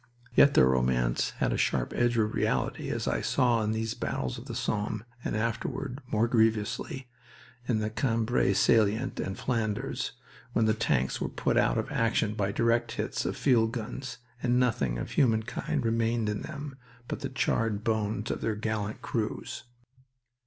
Yet their romance had a sharp edge of reality as I saw in those battles of the Somme, and afterward, more grievously, in the Cambrai salient and Flanders, when the tanks were put out of action by direct hits of field guns and nothing of humankind remained in them but the charred bones of their gallant crews.